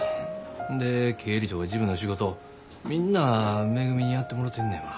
で経理とか事務の仕事みんなめぐみにやってもろてんねんわ。